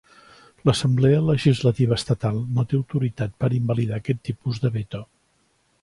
L'assemblea legislativa estatal no té autoritat per invalidar aquest tipus de veto.